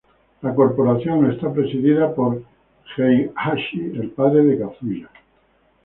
La corporación es presidida por Heihachi, el padre de Kazuya.